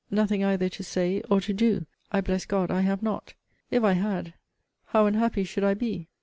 Nothing either to say, or to do I bless God, I have not. If I had, how unhappy should I be!